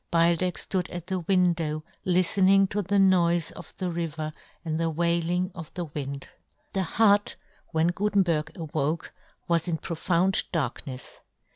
Beildech flood at the w^indow^ liftening to the noife of the river and the w^ailing of the w^ind. The hut w^hen Gutenberg awoke was in profound darknefs.